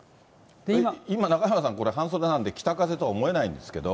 今、中山さん、半袖なんで、北風とは思えないんですけど。